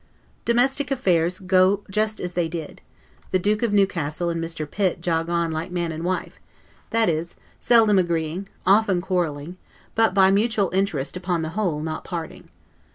Domestic affairs go just as they did; the Duke of Newcastle and Mr. Pitt jog on like man and wife; that is, seldom agreeing, often quarreling; but by mutual interest, upon the whole, not parting.